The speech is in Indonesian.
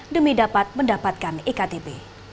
demi dapat mendapatkan ektp